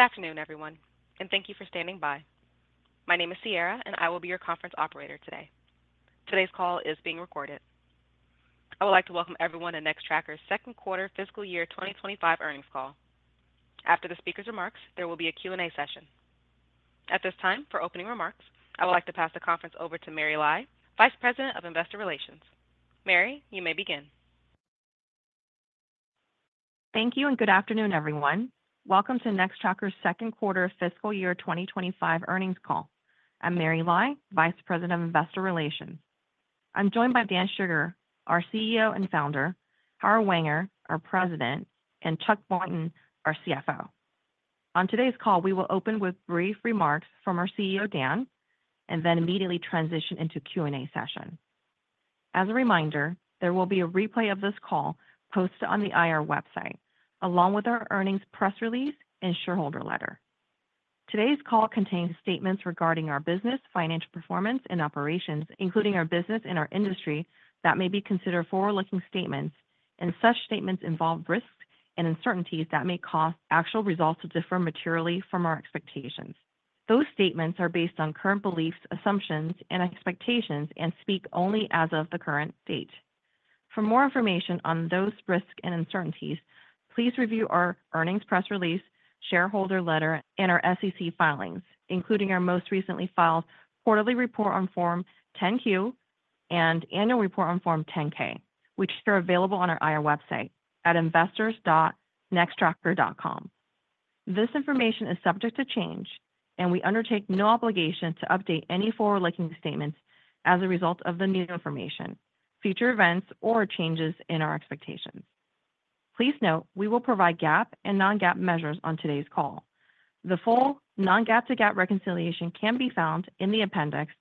Good afternoon, everyone, and thank you for standing by. My name is Sierra, and I will be your conference operator today. Today's call is being recorded. I would like to welcome everyone to Nextracker's second quarter fiscal year 2025 earnings call. After the speaker's remarks, there will be a Q&A session. At this time, for opening remarks, I would like to pass the conference over to Mary Lai, Vice President of Investor Relations. Mary, you may begin. Thank you and good afternoon, everyone. Welcome to Nextracker's second quarter fiscal year 2025 earnings call. I'm Mary Lai, Vice President of Investor Relations. I'm joined by Dan Shugar, our CEO and founder, Howard Wenger, our President, and Chuck Boynton, our CFO. On today's call, we will open with brief remarks from our CEO, Dan, and then immediately transition into a Q&A session. As a reminder, there will be a replay of this call posted on the IR website, along with our earnings press release and shareholder letter. Today's call contains statements regarding our business, financial performance, and operations, including our business and our industry that may be considered forward-looking statements, and such statements involve risks and uncertainties that may cause actual results to differ materially from our expectations. Those statements are based on current beliefs, assumptions, and expectations, and speak only as of the current date. For more information on those risks and uncertainties, please review our earnings press release, shareholder letter, and our SEC filings, including our most recently filed quarterly report on Form 10-Q and annual report on Form 10-K, which are available on our IR website at investors.nextracker.com. This information is subject to change, and we undertake no obligation to update any forward-looking statements as a result of the new information, future events, or changes in our expectations. Please note we will provide GAAP and non- GAAPmeasures on today's call. The full non-GAAP to GAAP reconciliation can be found in the appendix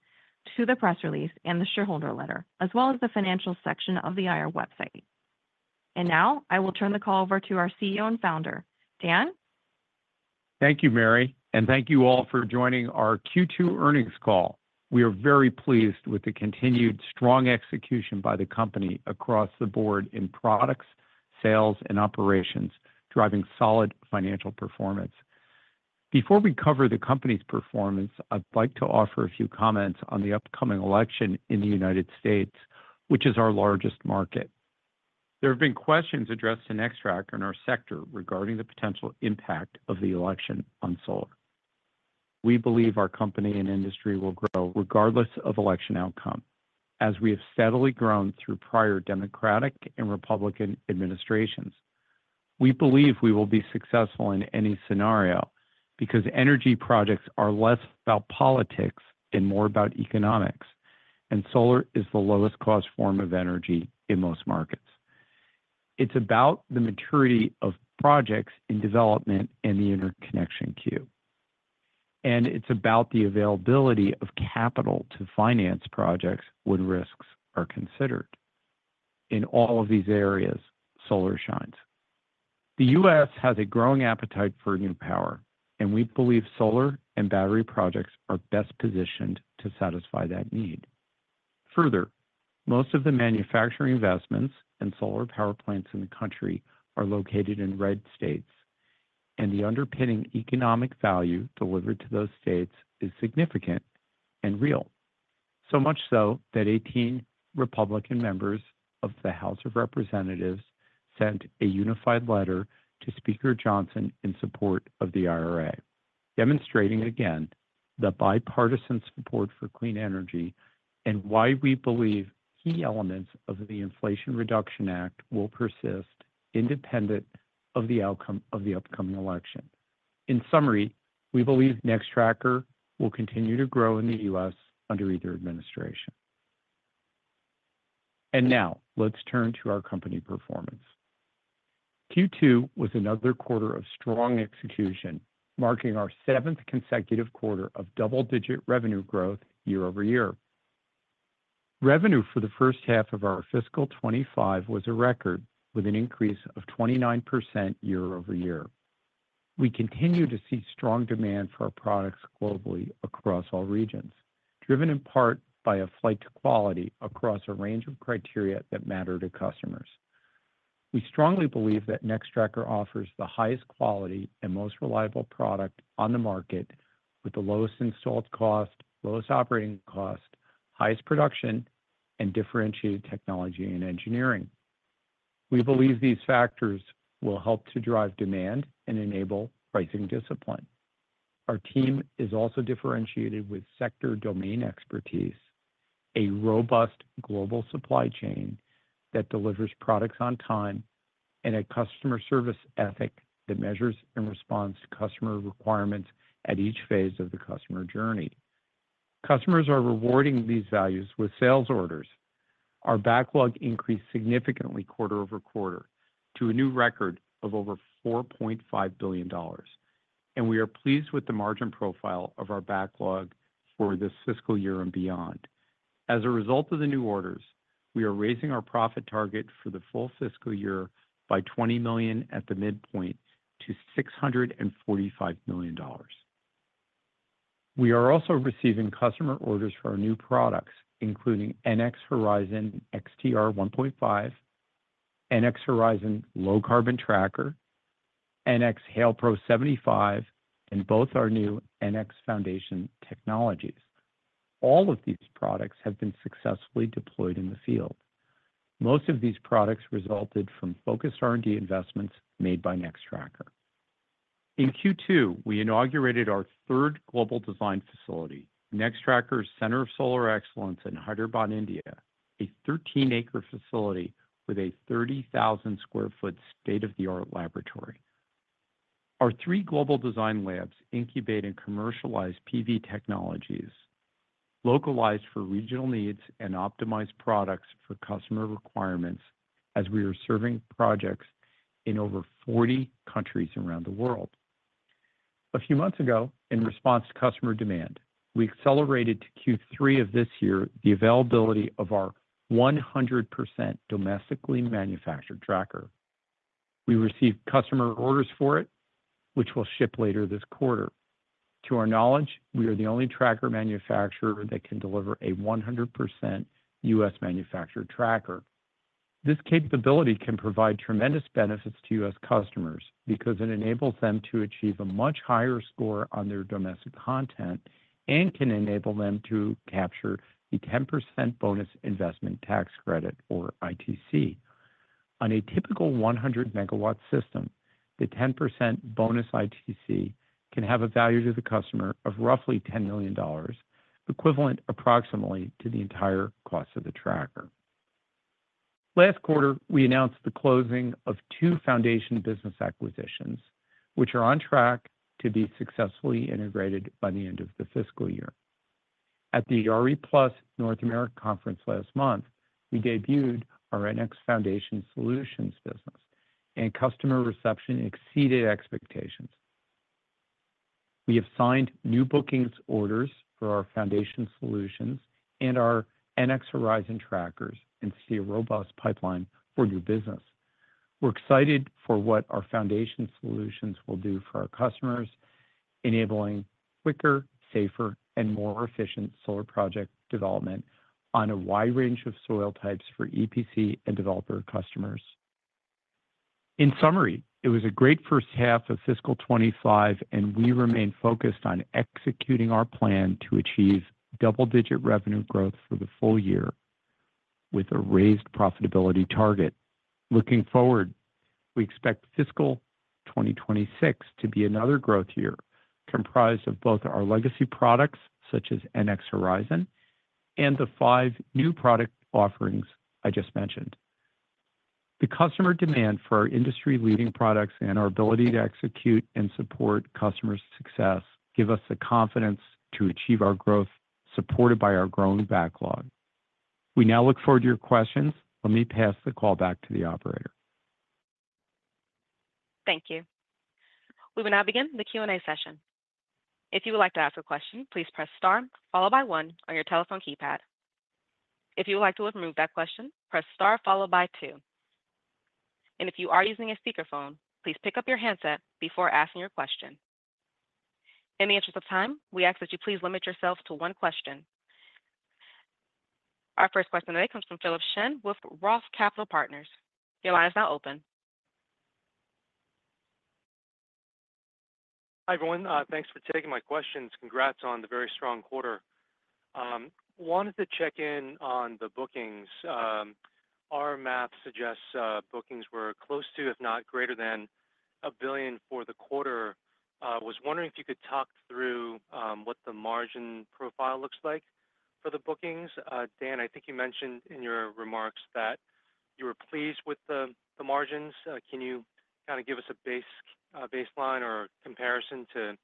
to the press release and the shareholder letter, as well as the financials section of the IR website. And now, I will turn the call over to our CEO and founder, Dan. Thank you, Mary, and thank you all for joining our Q2 earnings call. We are very pleased with the continued strong execution by the company across the board in products, sales, and operations, driving solid financial performance. Before we cover the company's performance, I'd like to offer a few comments on the upcoming election in the United States, which is our largest market. There have been questions addressed to Nextracker and our sector regarding the potential impact of the election on solar. We believe our company and industry will grow regardless of election outcome, as we have steadily grown through prior Democratic and Republican administrations. We believe we will be successful in any scenario because energy projects are less about politics and more about economics, and solar is the lowest-cost form of energy in most markets. It's about the maturity of projects in development and the interconnection queue, and it's about the availability of capital to finance projects when risks are considered. In all of these areas, solar shines. The U.S. has a growing appetite for new power, and we believe solar and battery projects are best positioned to satisfy that need. Further, most of the manufacturing investments and solar power plants in the country are located in red states, and the underpinning economic value delivered to those states is significant and real, so much so that 18 Republican members of the House of Representatives sent a unified letter to Speaker Johnson in support of the IRA, demonstrating again the bipartisan support for clean energy and why we believe key elements of the Inflation Reduction Act will persist independent of the outcome of the upcoming election. In summary, we believe Nextracker will continue to grow in the U.S. under either administration. Now, let's turn to our company performance. Q2 was another quarter of strong execution, marking our seventh consecutive quarter of double-digit revenue growth year over year. Revenue for the first half of our fiscal 2025 was a record, with an increase of 29% year over year. We continue to see strong demand for our products globally across all regions, driven in part by a flight to quality across a range of criteria that matter to customers. We strongly believe that Nextracker offers the highest quality and most reliable product on the market, with the lowest installed cost, lowest operating cost, highest production, and differentiated technology and engineering. We believe these factors will help to drive demand and enable pricing discipline. Our team is also differentiated with sector-domain expertise, a robust global supply chain that delivers products on time, and a customer service ethic that measures and responds to customer requirements at each phase of the customer journey. Customers are rewarding these values with sales orders. Our backlog increased significantly quarter over quarter to a new record of over $4.5 billion, and we are pleased with the margin profile of our backlog for this fiscal year and beyond. As a result of the new orders, we are raising our profit target for the full fiscal year by $20 million at the midpoint to $645 million. We are also receiving customer orders for our new products, including NX Horizon-XTR 1.5, NX Horizon Low Carbon Tracker, NX Hail Pro-75, and both our new NX Foundation Solutions. All of these products have been successfully deployed in the field. Most of these products resulted from focused R&D investments made by Nextracker. In Q2, we inaugurated our third global design facility, Nextracker's Center of Solar Excellence in Hyderabad, India, a 13-acre facility with a 30,000 sq ft state-of-the-art laboratory. Our three global design labs incubate and commercialize PV technologies, localized for regional needs and optimized products for customer requirements, as we are serving projects in over 40 countries around the world. A few months ago, in response to customer demand, we accelerated to Q3 of this year the availability of our 100% domestically manufactured tracker. We received customer orders for it, which will ship later this quarter. To our knowledge, we are the only tracker manufacturer that can deliver a 100% U.S.-manufactured tracker. This capability can provide tremendous benefits to U.S. customers because it enables them to achieve a much higher score on their domestic content and can enable them to capture the 10% bonus investment tax credit, or ITC. On a typical 100-megawatt system, the 10% bonus ITC can have a value to the customer of roughly $10 million, equivalent approximately to the entire cost of the tracker. Last quarter, we announced the closing of two foundation business acquisitions, which are on track to be successfully integrated by the end of the fiscal year. At the RE+ North America conference last month, we debuted our NX Foundation Solutions business, and customer reception exceeded expectations. We have signed new bookings orders for our foundation solutions and our NX Horizon trackers and see a robust pipeline for new business. We're excited for what our foundation solutions will do for our customers, enabling quicker, safer, and more efficient solar project development on a wide range of soil types for EPC and developer customers. In summary, it was a great first half of fiscal 2025, and we remain focused on executing our plan to achieve double-digit revenue growth for the full year with a raised profitability target. Looking forward, we expect fiscal 2026 to be another growth year comprised of both our legacy products, such as NX Horizon, and the five new product offerings I just mentioned. The customer demand for our industry-leading products and our ability to execute and support customers' success give us the confidence to achieve our growth, supported by our growing backlog. We now look forward to your questions. Let me pass the call back to the operator. Thank you. We will now begin the Q&A session. If you would like to ask a question, please press Star followed by 1 on your telephone keypad. If you would like to remove that question, press Star followed by 2. And if you are using a speakerphone, please pick up your handset before asking your question. In the interest of time, we ask that you please limit yourself to one question. Our first question today comes from Philip Shen with Roth Capital Partners. Your line is now open. Hi, everyone. Thanks for taking my questions. Congrats on the very strong quarter. Wanted to check in on the bookings. Our math suggests bookings were close to, if not greater than, $1 billion for the quarter. I was wondering if you could talk through what the margin profile looks like for the bookings. Dan, I think you mentioned in your remarks that you were pleased with the margins. Can you kind of give us a baseline or comparison to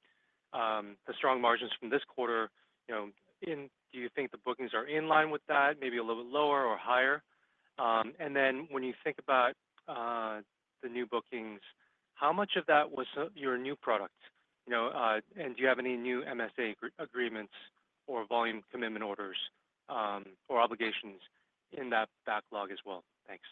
the strong margins from this quarter? Do you think the bookings are in line with that, maybe a little bit lower or higher? And then when you think about the new bookings, how much of that was your new product? And do you have any new MSA agreements or volume commitment orders or obligations in that backlog as well? Thanks.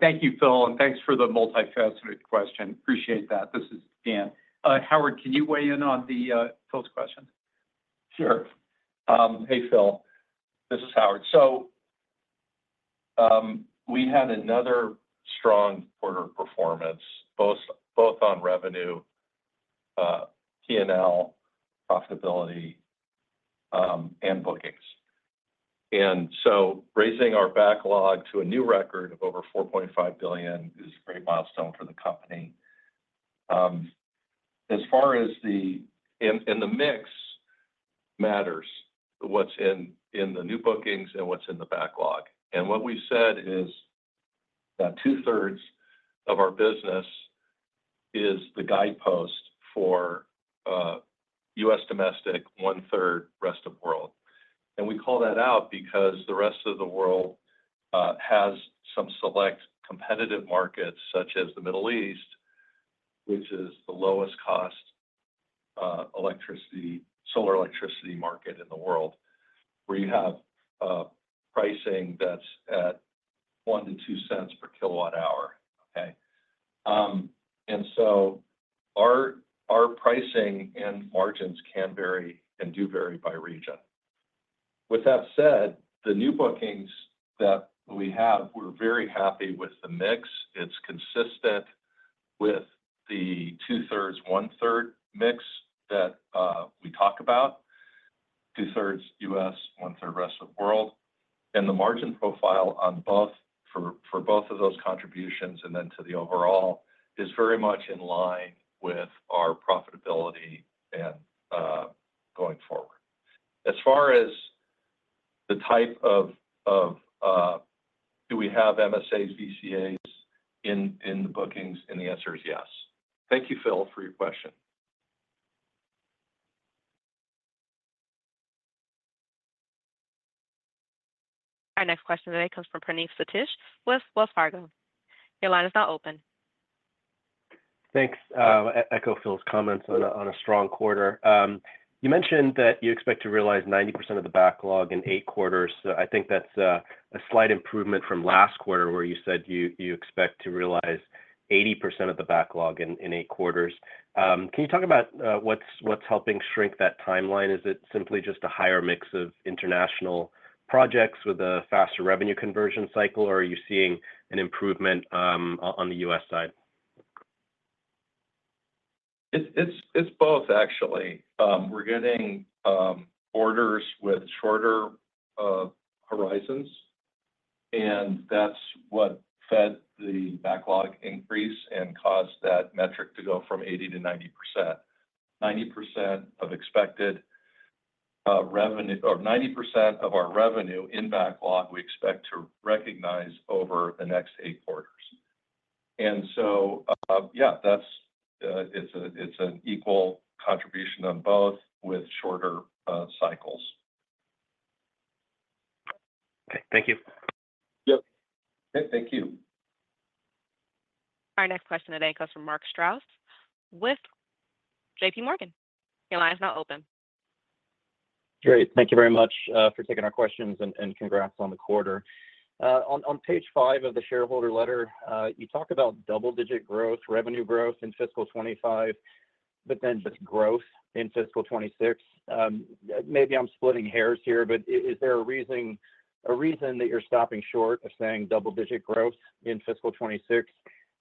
Thank you, Phil, and thanks for the multifaceted question. Appreciate that. This is Dan. Howard, can you weigh in on Phil's question? Sure. Hey, Phil. This is Howard. We had another strong quarter performance, both on revenue, P&L, profitability, and bookings. Raising our backlog to a new record of over $4.5 billion is a great milestone for the company. As far as the mix matters, what's in the new bookings and what's in the backlog. What we've said is that two-thirds of our business is the guidepost for U.S. domestic, one-third, rest of world. We call that out because the rest of the world has some select competitive markets, such as the Middle East, which is the lowest-cost solar electricity market in the world, where you have pricing that's at $0.01-$0.02 per kilowatt-hour. Okay? Our pricing and margins can vary and do vary by region. With that said, the new bookings that we have, we're very happy with the mix. It's consistent with the two-thirds, one-third mix that we talk about, two-thirds U.S., one-third rest of world. And the margin profile on both for both of those contributions and then to the overall is very much in line with our profitability going forward. As far as the type of, do we have MSAs, VCAs in the bookings? And the answer is yes. Thank you, Phil, for your question. Our next question today comes from Praneeth Satish with Wells Fargo. Your line is now open. Thanks. Echo Phil's comments on a strong quarter. You mentioned that you expect to realize 90% of the backlog in eight quarters. I think that's a slight improvement from last quarter, where you said you expect to realize 80% of the backlog in eight quarters. Can you talk about what's helping shrink that timeline? Is it simply just a higher mix of international projects with a faster revenue conversion cycle, or are you seeing an improvement on the U.S. side? It's both, actually. We're getting orders with shorter horizons, and that's what fed the backlog increase and caused that metric to go from 80%-90%. 90% of expected revenue or 90% of our revenue in backlog, we expect to recognize over the next eight quarters. And so, yeah, it's an equal contribution on both with shorter cycles. Okay. Thank you. Yep. Okay. Thank you. Our next question today comes from Mark Strouse with J.P. Morgan. Your line is now open. Great. Thank you very much for taking our questions and congrats on the quarter. On page five of the shareholder letter, you talk about double-digit growth, revenue growth in fiscal 2025, but then just growth in fiscal 2026. Maybe I'm splitting hairs here, but is there a reason that you're stopping short of saying double-digit growth in fiscal 2026?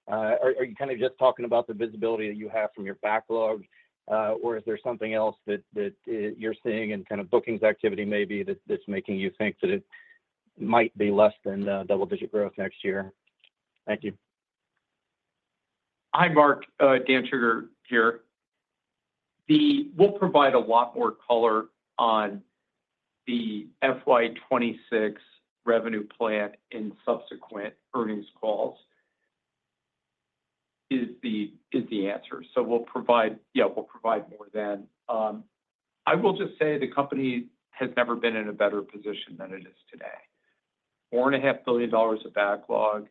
Are you kind of just talking about the visibility that you have from your backlog, or is there something else that you're seeing in kind of bookings activity maybe that's making you think that it might be less than double-digit growth next year? Thank you. Hi, Mark Strouse. Dan Shugar here. We'll provide a lot more color on the FY 26 revenue plan in subsequent earnings calls is the answer. So yeah, we'll provide more then. I will just say the company has never been in a better position than it is today. $4.5 billion of backlog.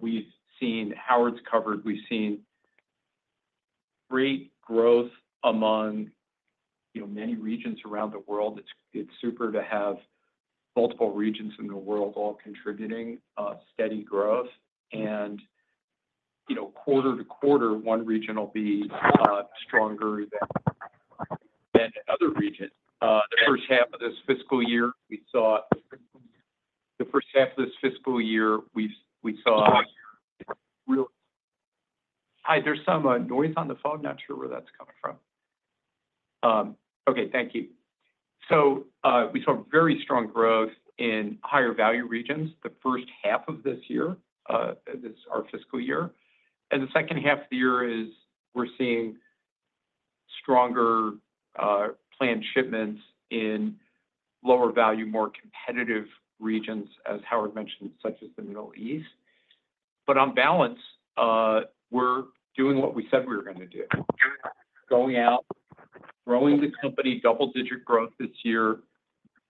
We've seen Howard Wenger's covered. We've seen great growth among many regions around the world. It's super to have multiple regions in the world all contributing steady growth. And quarter to quarter, one region will be stronger than another region. The first half of this fiscal year, we saw real. Hi, there's some noise on the phone. Not sure where that's coming from. Okay. Thank you. So we saw very strong growth in higher value regions the first half of this year, our fiscal year. And the second half of the year is we're seeing stronger planned shipments in lower value, more competitive regions, as Howard mentioned, such as the Middle East. But on balance, we're doing what we said we were going to do. Going out, growing the company, double-digit growth this year.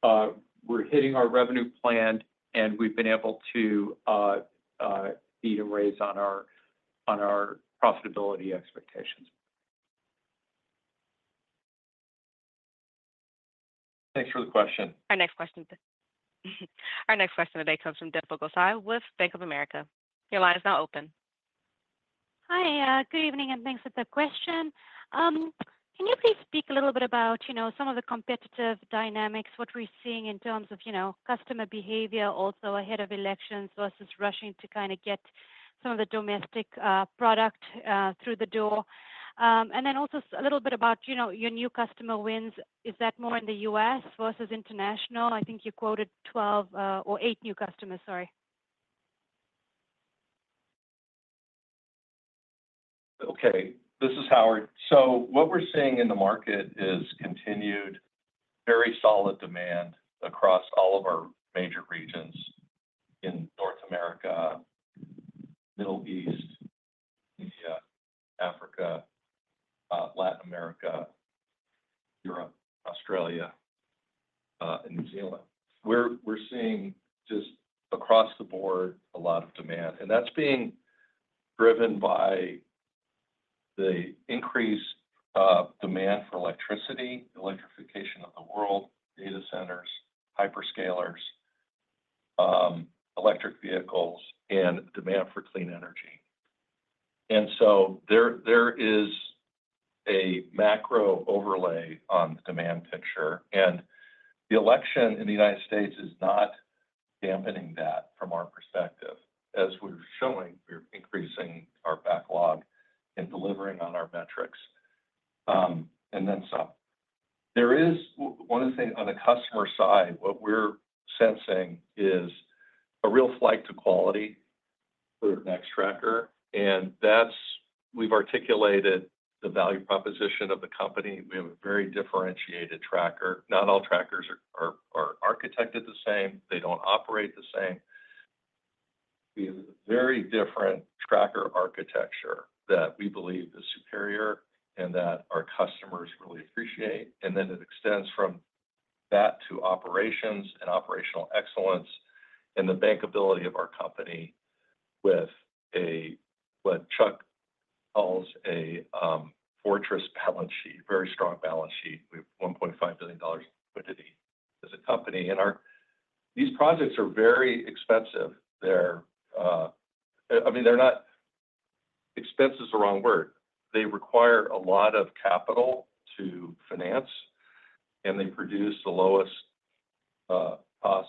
We're hitting our revenue plan, and we've been able to beat and raise on our profitability expectations. Thanks for the question. Our next question today comes from Dimple Gosai with Bank of America. Your line is now open. Hi. Good evening, and thanks for the question. Can you please speak a little bit about some of the competitive dynamics, what we're seeing in terms of customer behavior, also ahead of elections versus rushing to kind of get some of the domestic product through the door, and then also a little bit about your new customer wins. Is that more in the U.S. versus international? I think you quoted 12 or eight new customers. Sorry. Okay. This is Howard. So what we're seeing in the market is continued very solid demand across all of our major regions in North America, Middle East, India, Africa, Latin America, Europe, Australia, and New Zealand. We're seeing just across the board a lot of demand. And that's being driven by the increased demand for electricity, electrification of the world, data centers, hyperscalers, electric vehicles, and demand for clean energy. And so there is a macro overlay on the demand picture. And the election in the United States is not dampening that from our perspective. As we're showing, we're increasing our backlog and delivering on our metrics and then some. There is one thing on the customer side. What we're sensing is a real flight to quality for the Nextracker. And we've articulated the value proposition of the company. We have a very differentiated tracker. Not all trackers are architected the same. They don't operate the same. We have a very different tracker architecture that we believe is superior and that our customers really appreciate. And then it extends from that to operations and operational excellence and the bankability of our company with what Chuck calls a fortress balance sheet, very strong balance sheet. We have $1.5 billion liquidity as a company. And these projects are very expensive. I mean, expense is the wrong word. They require a lot of capital to finance, and they produce the lowest cost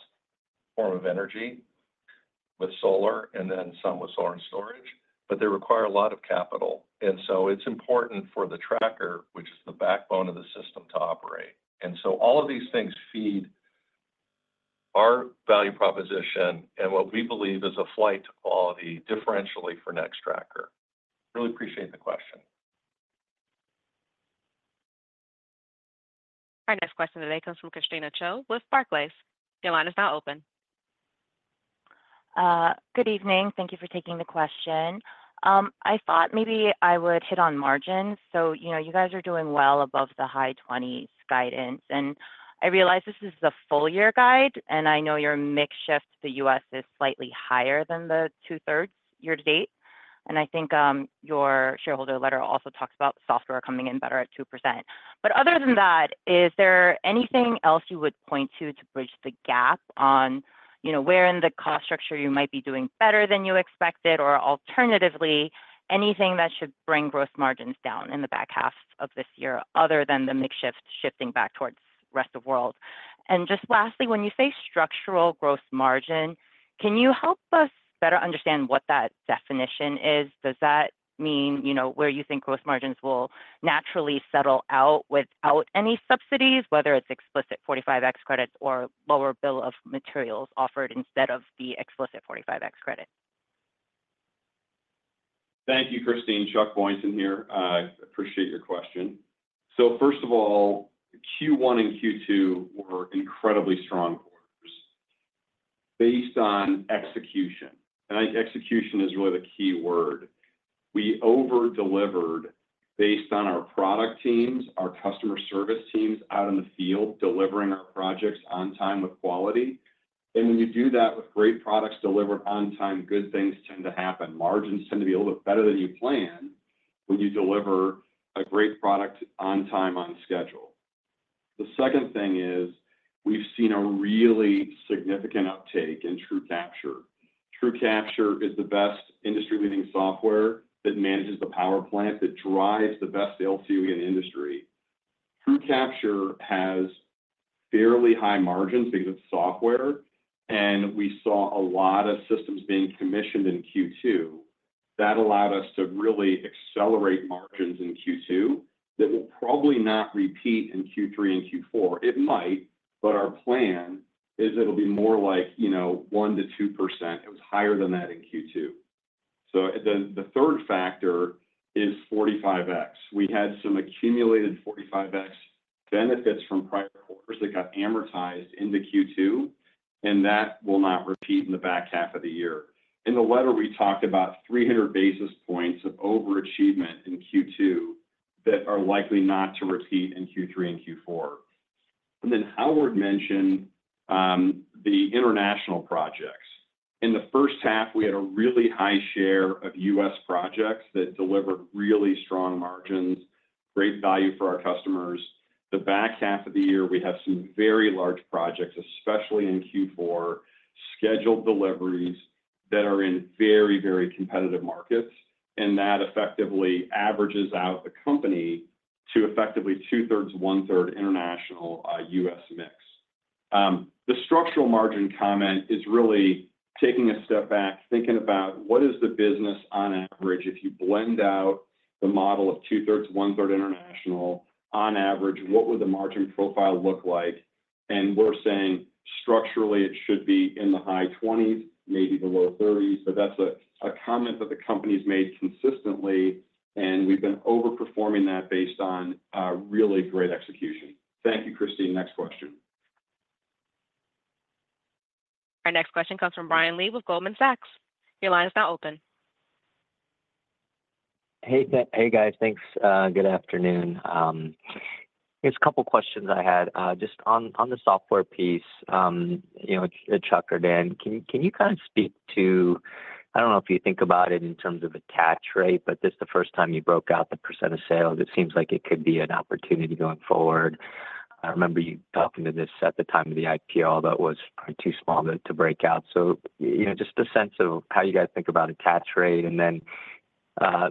form of energy with solar and then some with solar and storage. But they require a lot of capital. And so it's important for the tracker, which is the backbone of the system, to operate. And so all of these things feed our value proposition and what we believe is a flight to quality differentially for Nextracker. Really appreciate the question. Our next question today comes from Christina Cho with Barclays. Your line is now open. Good evening. Thank you for taking the question. I thought maybe I would hit on margins. So you guys are doing well above the high 20s guidance. And I realize this is the full year guide, and I know your mix shift to the U.S. is slightly higher than the two-thirds year to date. And I think your shareholder letter also talks about software coming in better at 2%. But other than that, is there anything else you would point to to bridge the gap on where in the cost structure you might be doing better than you expected? Or alternatively, anything that should bring gross margins down in the back half of this year other than the mix shift shifting back towards rest of world? And just lastly, when you say structural gross margin, can you help us better understand what that definition is? Does that mean where you think gross margins will naturally settle out without any subsidies, whether it's explicit 45X credits or lower bill of materials offered instead of the explicit 45X credit? Thank you, Christina. Chuck Boynton here. Appreciate your question. So first of all, Q1 and Q2 were incredibly strong quarters based on execution. And I think execution is really the key word. We overdelivered based on our product teams, our customer service teams out in the field delivering our projects on time with quality. And when you do that with great products delivered on time, good things tend to happen. Margins tend to be a little bit better than you plan when you deliver a great product on time on schedule. The second thing is we've seen a really significant uptake in TrueCapture. TrueCapture is the best industry-leading software that manages the power plant, that drives the best LCOE in the industry. TrueCapture has fairly high margins because it's software. And we saw a lot of systems being commissioned in Q2. That allowed us to really accelerate margins in Q2 that will probably not repeat in Q3 and Q4. It might, but our plan is it'll be more like 1%-2%. It was higher than that in Q2. So the third factor is 45X. We had some accumulated 45X benefits from prior quarters that got amortized into Q2, and that will not repeat in the back half of the year. In the letter, we talked about 300 basis points of overachievement in Q2 that are likely not to repeat in Q3 and Q4, and then Howard mentioned the international projects. In the first half, we had a really high share of U.S. projects that delivered really strong margins, great value for our customers. The back half of the year, we have some very large projects, especially in Q4, scheduled deliveries that are in very, very competitive markets. and that effectively averages out the company to effectively two-thirds, one-third international U.S. mix. The structural margin comment is really taking a step back, thinking about what is the business on average? If you blend out the model of two-thirds, one-third international on average, what would the margin profile look like? And we're saying structurally it should be in the high 20s, maybe the low 30s. But that's a comment that the company's made consistently, and we've been overperforming that based on really great execution. Thank you, Christina. Next question. Our next question comes from Brian Lee with Goldman Sachs. Your line is now open. Hey, guys. Thanks. Good afternoon. There's a couple of questions I had. Just on the software piece, Chuck or Dan, can you kind of speak to, I don't know if you think about it in terms of attach rate, but just the first time you broke out the percent of sales, it seems like it could be an opportunity going forward. I remember you talking to this at the time of the IPO, although it was probably too small to break out. So just a sense of how you guys think about attach rate, and then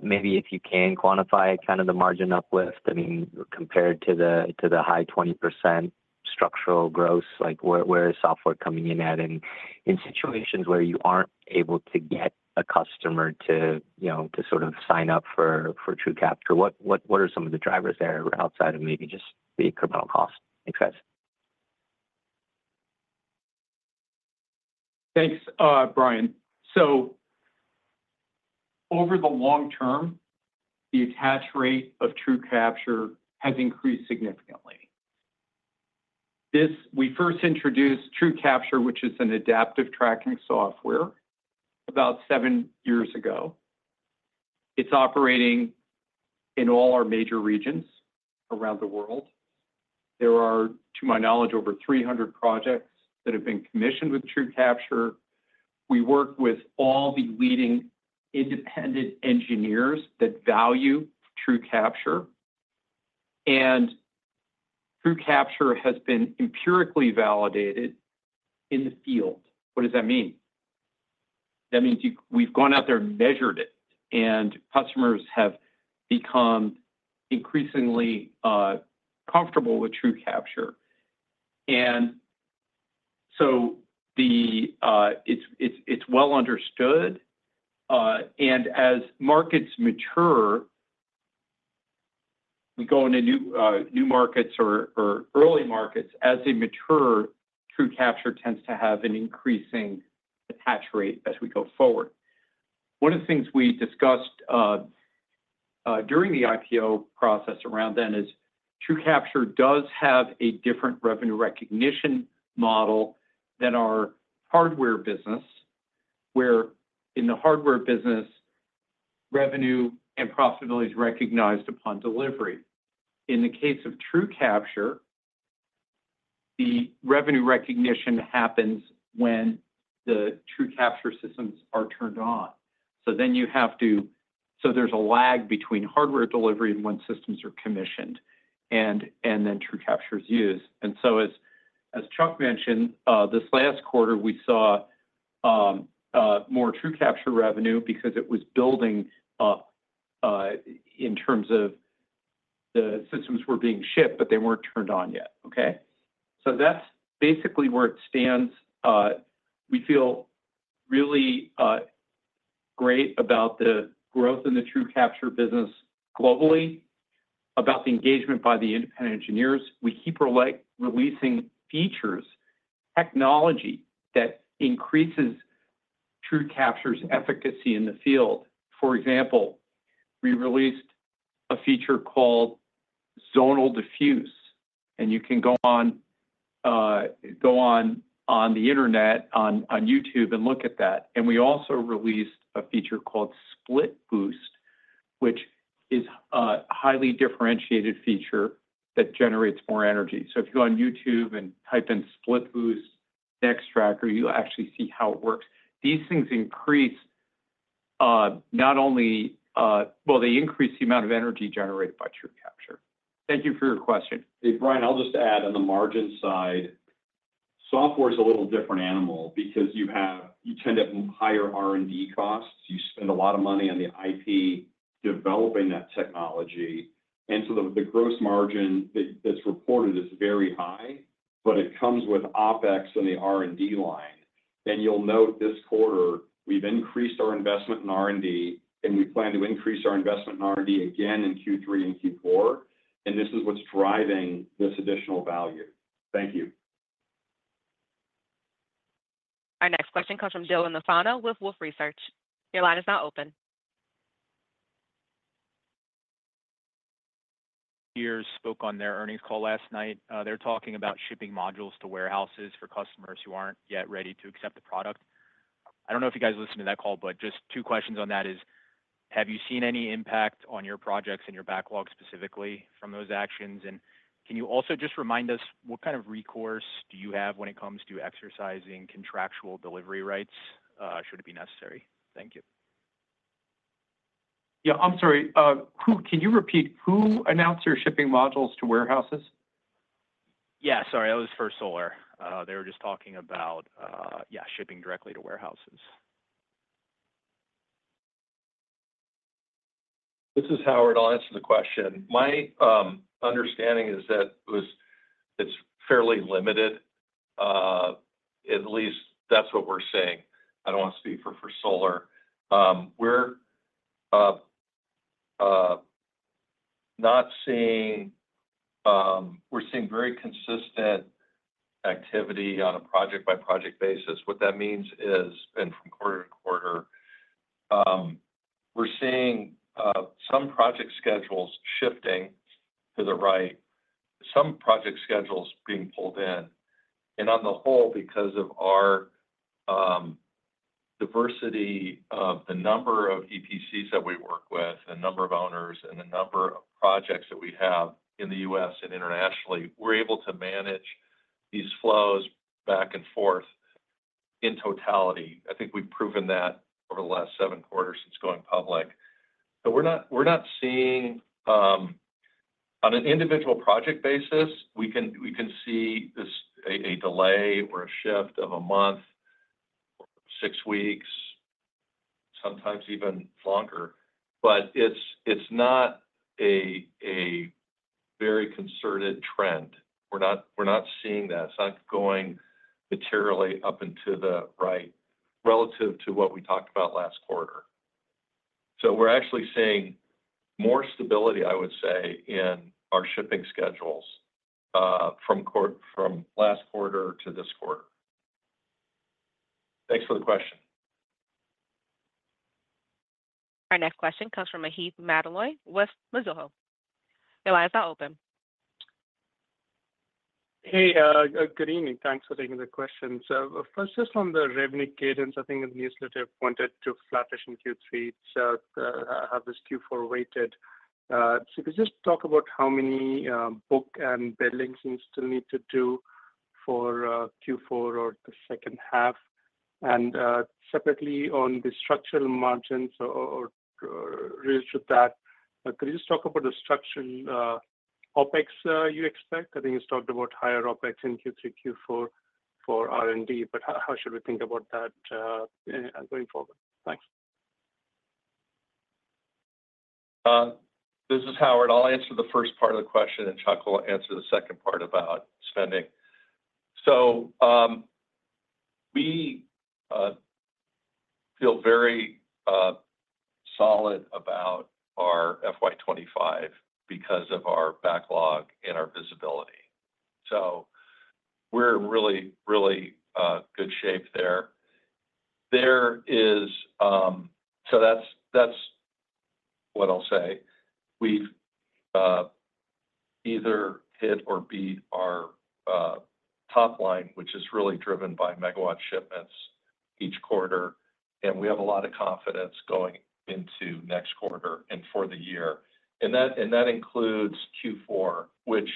maybe if you can quantify kind of the margin uplift, I mean, compared to the high 20% structural growth, where is software coming in at? In situations where you aren't able to get a customer to sort of sign up for TrueCapture, what are some of the drivers there outside of maybe just the incremental cost? Thanks, guys. Thanks, Brian, so over the long term, the attach rate of True Capture has increased significantly. We first introduced True Capture, which is an adaptive tracking software, about seven years ago. It's operating in all our major regions around the world. There are, to my knowledge, over 300 projects that have been commissioned with True Capture. We work with all the leading independent engineers that value True Capture, and True Capture has been empirically validated in the field. What does that mean? That means we've gone out there and measured it, and customers have become increasingly comfortable with True Capture. And so it's well understood, and as markets mature, we go into new markets or early markets. As they mature, True Capture tends to have an increasing attach rate as we go forward. One of the things we discussed during the IPO process around then is TrueCapture does have a different revenue recognition model than our hardware business, where in the hardware business, revenue and profitability is recognized upon delivery. In the case of TrueCapture, the revenue recognition happens when the TrueCapture systems are turned on. So then there's a lag between hardware delivery and when systems are commissioned, and then TrueCapture is used. And so as Chuck mentioned, this last quarter, we saw more TrueCapture revenue because it was building up in terms of the systems were being shipped, but they weren't turned on yet. Okay? So that's basically where it stands. We feel really great about the growth in the TrueCapture business globally, about the engagement by the independent engineers. We keep releasing features, technology that increases TrueCapture's efficacy in the field. For example, we released a feature called Zonal Diffuse. And you can go on the internet, on YouTube, and look at that. And we also released a feature called Split Boost, which is a highly differentiated feature that generates more energy. So if you go on YouTube and type in Split Boost, Nextracker, you'll actually see how it works. These things increase not only, well, they increase the amount of energy generated by TrueCapture. Thank you for your question. Hey, Brian, I'll just add on the margin side. Software is a little different animal because you tend to have higher R&D costs. You spend a lot of money on the IP developing that technology. And so the gross margin that's reported is very high, but it comes with OPEX and the R&D line. And you'll note this quarter, we've increased our investment in R&D, and we plan to increase our investment in R&D again in Q3 and Q4. And this is what's driving this additional value. Thank you. Our next question comes from Dylan Nassano with Wolfe Research. Your line is now open. Peers spoke on their earnings call last night. They're talking about shipping modules to warehouses for customers who aren't yet ready to accept the product. I don't know if you guys listened to that call, but just two questions on that is, have you seen any impact on your projects and your backlog specifically from those actions? And can you also just remind us what kind of recourse do you have when it comes to exercising contractual delivery rights should it be necessary? Thank you. Yeah, I'm sorry. Can you repeat? Who announced your shipping modules to warehouses? Yeah, sorry. That was First Solar. They were just talking about, yeah, shipping directly to warehouses. This is Howard. I'll answer the question. My understanding is that it's fairly limited. At least that's what we're seeing. I don't want to speak First Solar. We're seeing very consistent activity on a project-by-project basis. What that means is, and from quarter to quarter, we're seeing some project schedules shifting to the right, some project schedules being pulled in. And on the whole, because of our diversity of the number of EPCs that we work with, the number of owners, and the number of projects that we have in the U.S. and internationally, we're able to manage these flows back and forth in totality. I think we've proven that over the last seven quarters since going public. But we're not seeing on an individual project basis, we can see a delay or a shift of a month or six weeks, sometimes even longer. But it's not a very concerted trend. We're not seeing that. It's not going materially up and to the right relative to what we talked about last quarter. So we're actually seeing more stability, I would say, in our shipping schedules from last quarter to this quarter. Thanks for the question. Our next question comes from Maheep Mandloi with Mizuho. Your line is now open. Hey, good evening. Thanks for taking the question. So first, just on the revenue cadence, I think in the newsletter, I wanted to flourish in Q3. So I have this Q4 weighted. So could you just talk about how many bookings and billings you still need to do for Q4 or the second half? And separately, on the structural margins or related to that, could you just talk about the structural OPEX you expect? I think you talked about higher OPEX in Q3, Q4 for R&D, but how should we think about that going forward? Thanks. This is Howard. I'll answer the first part of the question, and Chuck will answer the second part about spending, so we feel very solid about our FY25 because of our backlog and our visibility, so we're in really, really good shape there, so that's what I'll say. We've either hit or beat our top line, which is really driven by megawatt shipments each quarter, and we have a lot of confidence going into next quarter and for the year, and that includes Q4, which,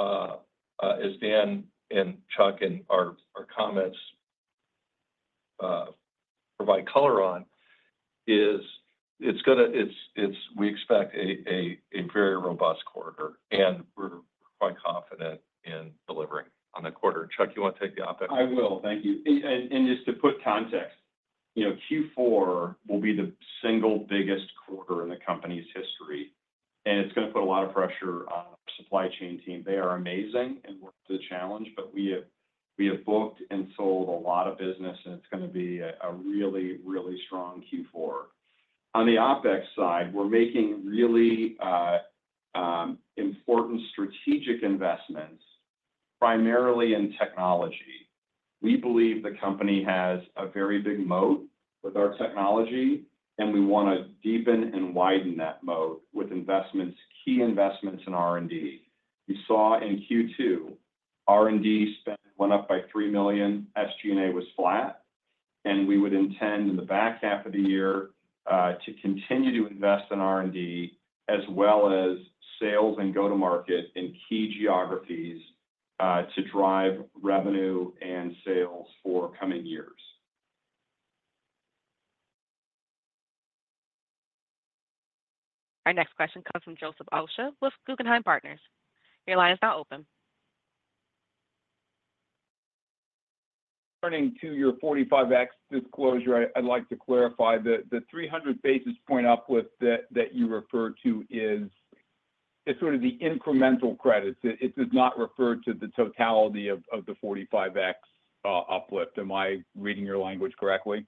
as Dan and Chuck and our comments provide color on, is, we expect a very robust quarter, and we're quite confident in delivering on that quarter. Chuck, you want to take the OpEx? I will. Thank you. And just to put context, Q4 will be the single biggest quarter in the company's history. And it's going to put a lot of pressure on our supply chain team. They are amazing and will challenge, but we have booked and sold a lot of business, and it's going to be a really, really strong Q4. On the OPEX side, we're making really important strategic investments, primarily in technology. We believe the company has a very big moat with our technology, and we want to deepen and widen that moat with investments, key investments in R&D. We saw in Q2, R&D spend went up by 3 million. SG&A was flat. And we would intend in the back half of the year to continue to invest in R&D as well as sales and go-to-market in key geographies to drive revenue and sales for coming years. Our next question comes from Joseph Osha with Guggenheim Partners. Your line is now open. Turning to your 45X disclosure, I'd like to clarify that the 300 basis points uplift that you referred to is sort of the incremental credits. It does not refer to the totality of the 45X uplift. Am I reading your language correctly?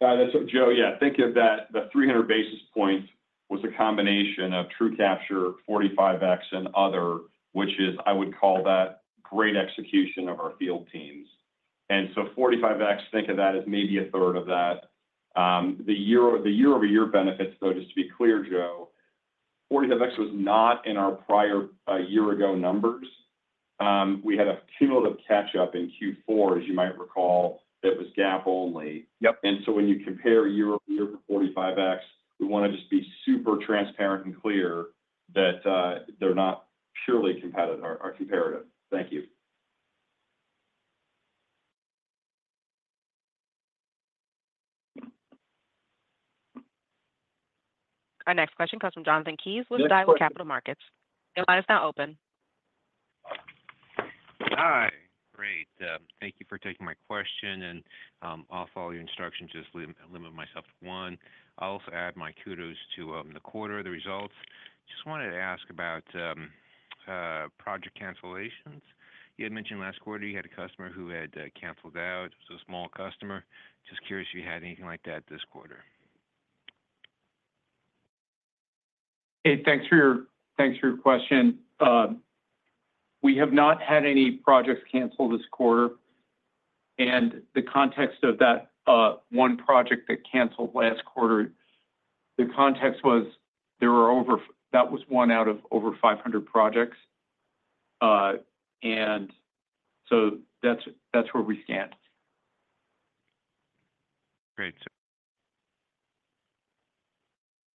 That's what, Joe. Yeah. Think of that the 300 basis points was a combination of TrueCapture, 45X, and other, which is I would call that great execution of our field teams. And so 45X, think of that as maybe a third of that. The year-over-year benefits, though, just to be clear, Joe, 45X was not in our prior year-ago numbers. We had a cumulative catch-up in Q4, as you might recall, that was GAAP only. And so when you compare year-over-year for 45X, we want to just be super transparent and clear that they're not purely comparative. Thank you. Our next question comes from Jonathan Kaye with Daiwa Capital Markets. Your line is now open. Hi. Great. Thank you for taking my question, and I'll follow your instructions, just limit myself to one. I'll also add my kudos to the quarter, the results. Just wanted to ask about project cancellations. You had mentioned last quarter you had a customer who had canceled out. It was a small customer. Just curious if you had anything like that this quarter. Hey, thanks for your question. We have not had any projects cancel this quarter. And the context of that one project that canceled last quarter, the context was that was one out of over 500 projects. And so that's where we stand. Great.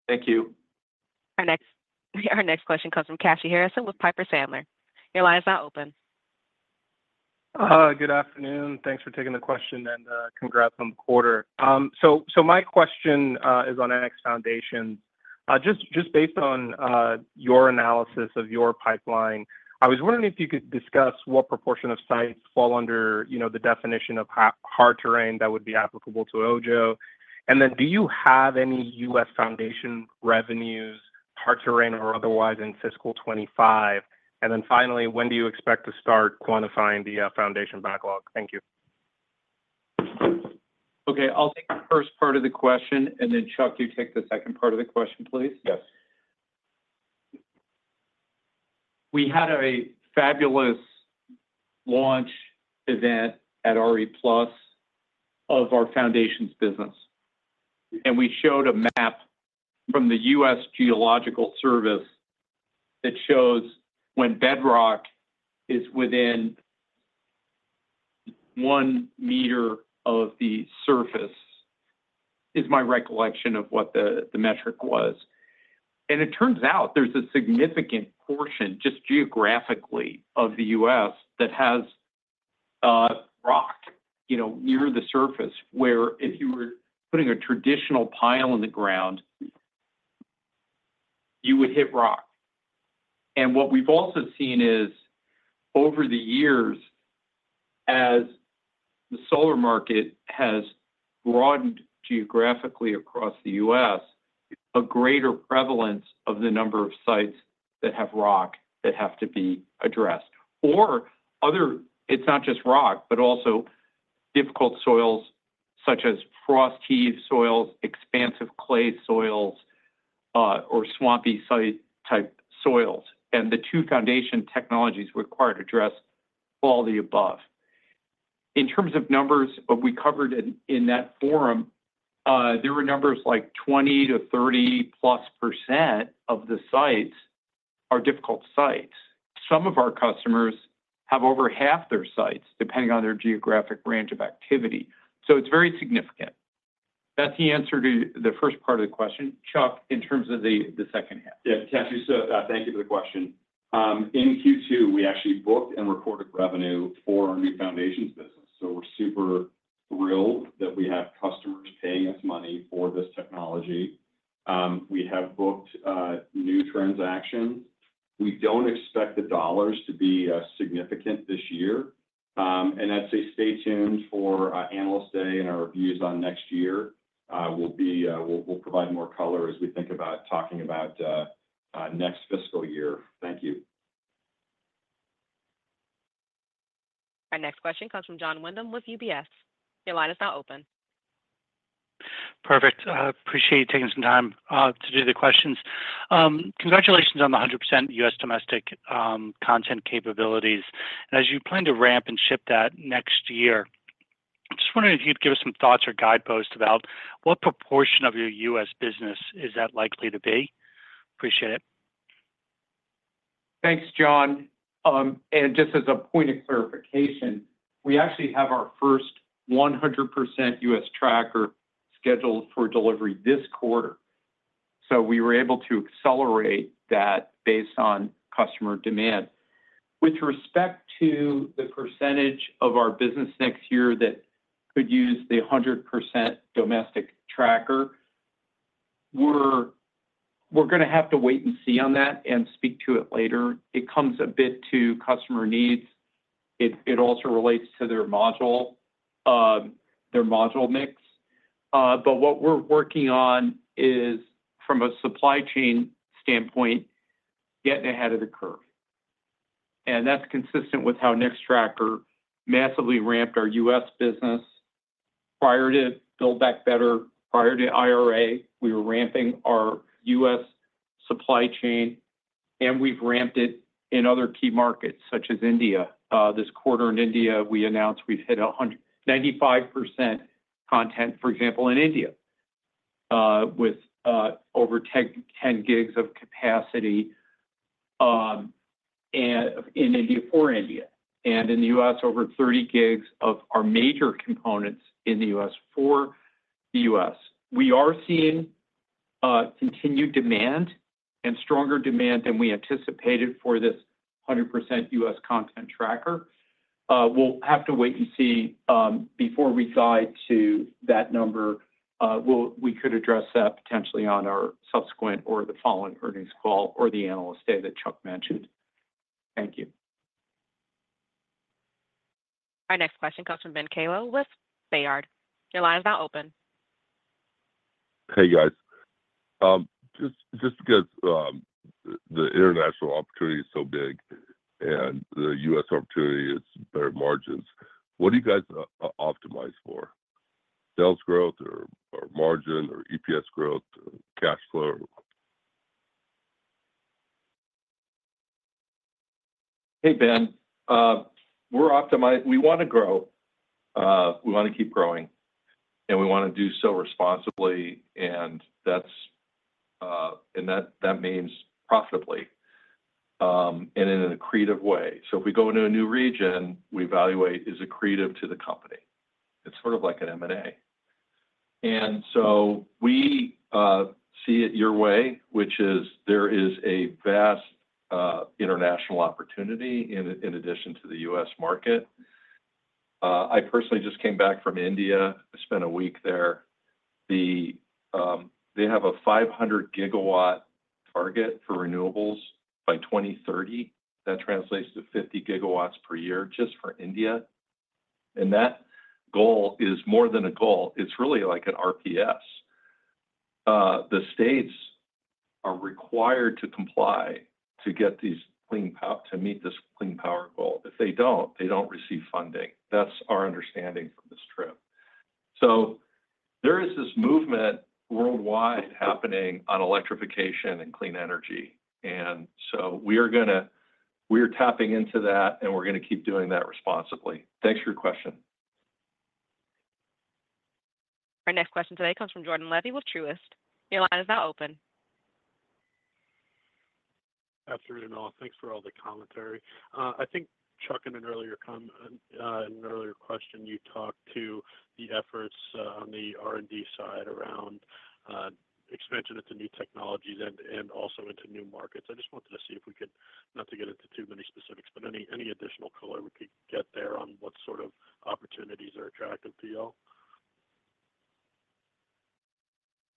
Thank you. Our next question comes from Kashy Harrison with Piper Sandler. Your line is now open. Good afternoon. Thanks for taking the question and congrats on the quarter. My question is on NX Foundation Solutions. Just based on your analysis of your pipeline, I was wondering if you could discuss what proportion of sites fall under the definition of hard terrain that would be applicable to Ojjo. And then do you have any U.S. foundation revenues, hard terrain or otherwise, in fiscal 2025? And then finally, when do you expect to start quantifying the foundation backlog? Thank you. Okay. I'll take the first part of the question. And then Chuck, you take the second part of the question, please. Yes. We had a fabulous launch event at RE+ of our foundation's business. And we showed a map from the U.S. Geological Survey that shows when bedrock is within one meter of the surface, is my recollection of what the metric was. And it turns out there's a significant portion, just geographically, of the U.S. that has rock near the surface, where if you were putting a traditional pile in the ground, you would hit rock. And what we've also seen is, over the years, as the solar market has broadened geographically across the U.S., a greater prevalence of the number of sites that have rock that have to be addressed. Or it's not just rock, but also difficult soils, such as frost-heavy soils, expansive clay soils, or swampy site-type soils. And the two foundation technologies required address all the above. In terms of numbers, what we covered in that forum, there were numbers like 20-30+% of the sites are difficult sites. Some of our customers have over half their sites, depending on their geographic range of activity. So it's very significant. That's the answer to the first part of the question. Chuck, in terms of the second half. Yeah. Cassie, thank you for the question. In Q2, we actually booked and recorded revenue for our new foundation's business. So we're super thrilled that we have customers paying us money for this technology. We have booked new transactions. We don't expect the dollars to be significant this year. And I'd say stay tuned for analyst day and our reviews on next year. We'll provide more color as we think about talking about next fiscal year. Thank you. Our next question comes from Jon Windham with UBS. Your line is now open. Perfect. Appreciate you taking some time to do the questions. Congratulations on the 100% U.S. domestic content capabilities. And as you plan to ramp and ship that next year, I'm just wondering if you'd give us some thoughts or guideposts about what proportion of your U.S. business is that likely to be? Appreciate it. Thanks, John. And just as a point of clarification, we actually have our first 100% U.S. tracker scheduled for delivery this quarter. So we were able to accelerate that based on customer demand. With respect to the percentage of our business next year that could use the 100% domestic tracker, we're going to have to wait and see on that and speak to it later. It comes a bit to customer needs. It also relates to their module mix. But what we're working on is, from a supply chain standpoint, getting ahead of the curve. And that's consistent with how Nextracker massively ramped our U.S. business. Prior to Build Back Better, prior to IRA, we were ramping our U.S. supply chain, and we've ramped it in other key markets, such as India. This quarter in India, we announced we've hit 95% content, for example, in India, with over 10 gigs of capacity in India for India, and in the U.S., over 30 gigs of our major components in the U.S. for the U.S. We are seeing continued demand and stronger demand than we anticipated for this 100% U.S. content tracker. We'll have to wait and see before we tie to that number. We could address that potentially on our subsequent or the following earnings call or the analyst day that Chuck mentioned. Thank you. Our next question comes from Ben Kalo with Baird. Your line is now open. Hey, guys. Just because the international opportunity is so big and the U.S. opportunity is better margins, what do you guys optimize for? Sales growth or margin or EPS growth, cash flow? Hey, Ben. We want to grow. We want to keep growing. And we want to do so responsibly. And that means profitably and in a creative way. So if we go into a new region, we evaluate is it creative to the company? It's sort of like an M&A. And so we see it your way, which is there is a vast international opportunity in addition to the U.S. market. I personally just came back from India. I spent a week there. They have a 500-gigawatt target for renewables by 2030. That translates to 50 gigawatts per year just for India. And that goal is more than a goal. It's really like an RPS. The states are required to comply to get these clean power to meet this clean power goal. If they don't, they don't receive funding. That's our understanding from this trip. So there is this movement worldwide happening on electrification and clean energy. And so we are tapping into that, and we're going to keep doing that responsibly. Thanks for your question. Our next question today comes from Jordan Levy with Truist. Your line is now open. Absolutely, Now. Thanks for all the commentary. I think, Chuck, in an earlier question, you talked to the efforts on the R&D side around expansion into new technologies and also into new markets. I just wanted to see if we could not to get into too many specifics, but any additional color we could get there on what sort of opportunities are attractive to y'all?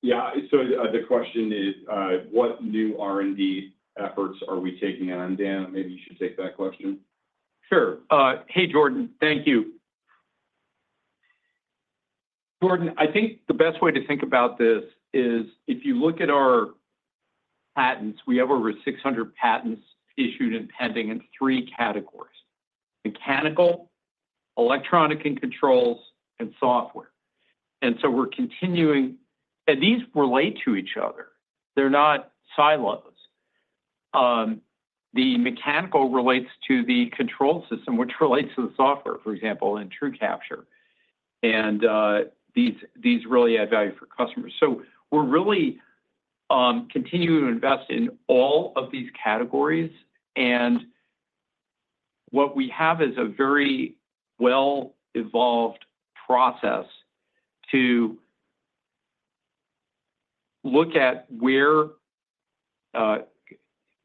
Yeah. So the question is, what new R&D efforts are we taking on? Dan, maybe you should take that question. Sure. Hey, Jordan. Thank you. Jordan, I think the best way to think about this is if you look at our patents, we have over 600 patents issued and pending in three categories: mechanical, electronics and controls, and software, and so we're continuing and these relate to each other. They're not silos. The mechanical relates to the control system, which relates to the software, for example, in TrueCapture, and these really add value for customers, so we're really continuing to invest in all of these categories, and what we have is a very well-evolved process to look at where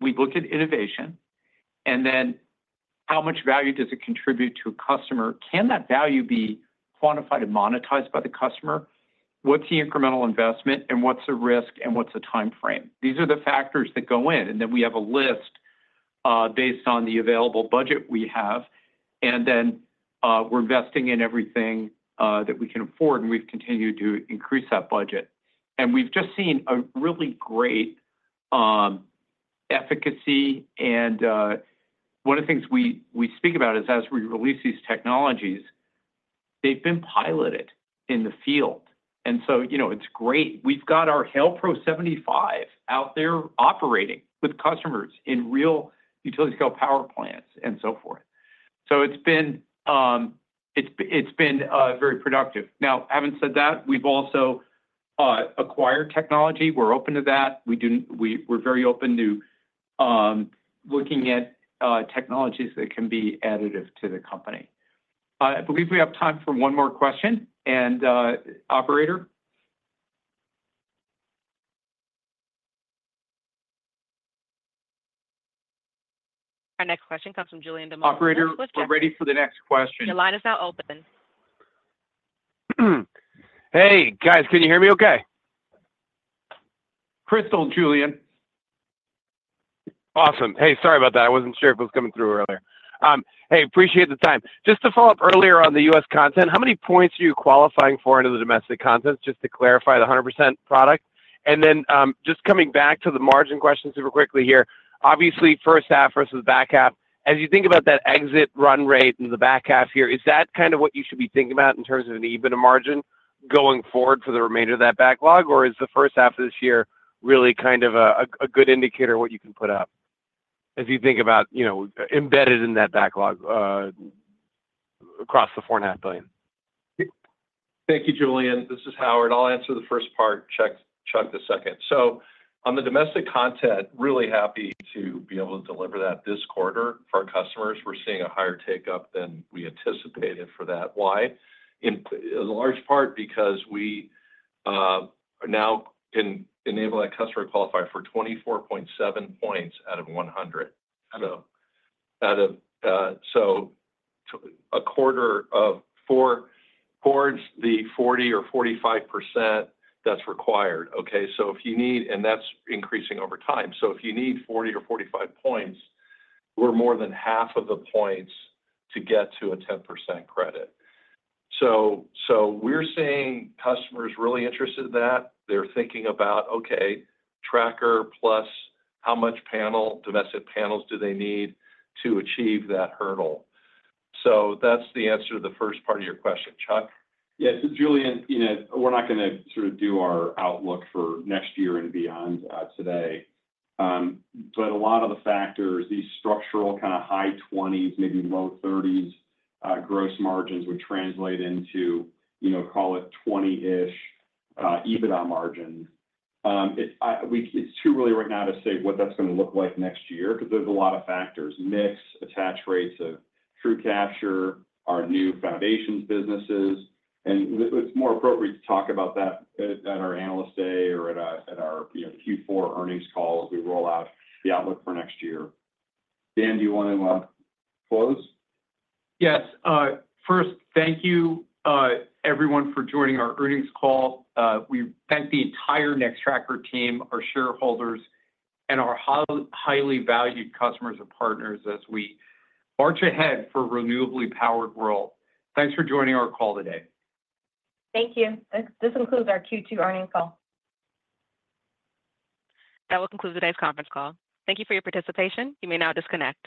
we look at innovation and then how much value does it contribute to a customer? Can that value be quantified and monetized by the customer? What's the incremental investment, and what's the risk, and what's the timeframe? These are the factors that go in. And then we have a list based on the available budget we have. And then we're investing in everything that we can afford, and we've continued to increase that budget. And we've just seen a really great efficacy. And one of the things we speak about is, as we release these technologies, they've been piloted in the field. And so it's great. We've got our NX Hail Pro-75 out there operating with customers in real utility-scale power plants and so forth. So it's been very productive. Now, having said that, we've also acquired technology. We're open to that. We're very open to looking at technologies that can be additive to the company. I believe we have time for one more question and operator. Our next question comes from Julien Dumoulin-Smith. Operator, are you ready for the next question? Your line is now open. Hey, guys. Can you hear me okay? Crystal, Julian. Awesome. Hey, sorry about that. I wasn't sure if it was coming through earlier. Hey, appreciate the time. Just to follow up earlier on the U.S. content, how many points are you qualifying for into the domestic contents, just to clarify the 100% product? And then just coming back to the margin questions super quickly here, obviously, first half versus back half, as you think about that exit run rate and the back half here, is that kind of what you should be thinking about in terms of an even margin going forward for the remainder of that backlog? Or is the first half of this year really kind of a good indicator of what you can put up as you think about embedded in that backlog across the $4.5 billion? Thank you, Julien. This is Howard. I'll answer the first part. Chuck, the second. So on the domestic content, really happy to be able to deliver that this quarter for our customers. We're seeing a higher take-up than we anticipated for that. Why? In large part because we now can enable that customer to qualify for 24.7 points out of 100. So a quarter of towards the 40% or 45% that's required. Okay? So if you need and that's increasing over time. So if you need 40 or 45 points, we're more than half of the points to get to a 10% credit. So we're seeing customers really interested in that. They're thinking about, okay, tracker plus how much domestic panels do they need to achieve that hurdle? So that's the answer to the first part of your question, Chuck. Yeah. Julien, we're not going to sort of do our outlook for next year and beyond today. But a lot of the factors, these structural kind of high 20s, maybe low 30s gross margins would translate into, call it 20-ish EBITDA margin. It's too early right now to say what that's going to look like next year because there's a lot of factors: mix, attach rates of TrueCapture, our new foundations businesses. And it's more appropriate to talk about that at our analyst day or at our Q4 earnings call as we roll out the outlook for next year. Dan, do you want to close? Yes. First, thank you, everyone, for joining our earnings call. We thank the entire Nextracker team, our shareholders, and our highly valued customers and partners as we march ahead for a renewably powered world. Thanks for joining our call today. Thank you. This concludes our Q2 earnings call. That will conclude today's conference call. Thank you for your participation. You may now disconnect.